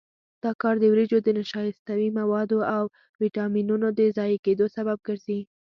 دا کار د وریجو د نشایستوي موادو او ویټامینونو د ضایع کېدو سبب ګرځي.